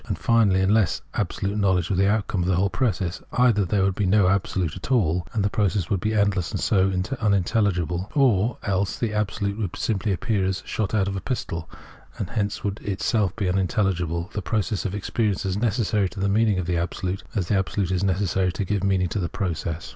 And, finally unless " Absolute Knowledge " were the outcome of the whole process, either there would be no Absolute at all, and the process would be endless, and so uninteUigible, or else the Absolute would simply appear as " shot out of a pistol," and hence would be itself unintelligible ; the process of experience is as necessary to the meaning Cj)f the Absolute, as the Absolute is necessary to give ijneaning to the process.